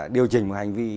điều chỉnh một hành vi